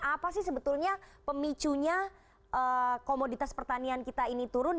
apa sih sebetulnya pemicunya komoditas pertanian kita ini turun